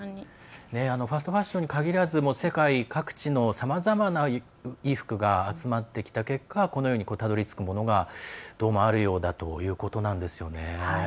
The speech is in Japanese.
ファストファッションに限らず、世界各地のさまざまな衣服が集まってきた結果このようにたどりつくものがどうもあるようだということなんですよね。